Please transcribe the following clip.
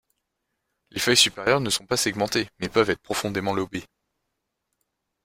Les feuilles supérieures ne sont pas segmentées, mais peuvent être profondément lobées.